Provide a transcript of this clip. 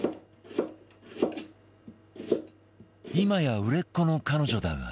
今や売れっ子の彼女だが